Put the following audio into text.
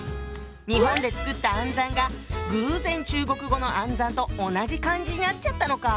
日本でつくった「暗算」が偶然中国語の「暗算」と同じ漢字になっちゃったのか。